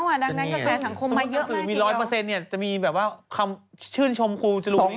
สมมุติสื่อมี๑๐๐เนี่ยจะมีแบบว่าคำชื่นชมครูจะรู้